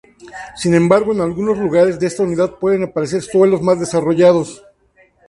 Sin embargo, en algunos lugares de esta unidad pueden aparecer suelos más desarrollados.